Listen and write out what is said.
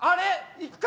行くか？